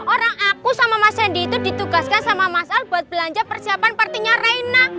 orang aku sama mas hendy itu ditugaskan sama mas al buat belanja persiapan partinya raina